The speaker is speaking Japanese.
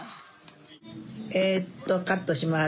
えっとカットします。